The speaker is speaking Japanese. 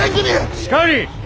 しかり。